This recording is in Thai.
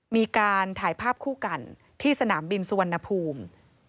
มีการถ่ายภาพคู่กันที่สนามบินสุวรรณภูมิ